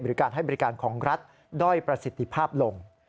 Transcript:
การให้บริการของรัฐด้อยประสิทธิภาพลง